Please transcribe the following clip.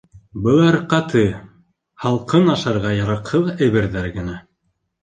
— Былар ҡаты, һалҡын, ашарға яраҡһыҙ әйберҙәр генә.